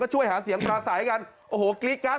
ช่วยหาเสียงปลาใสกันโอ้โหกรี๊ดการ์